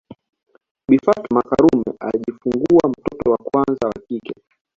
Bi Fatuma Karume alijifungua mtoto wa kwanza wa kike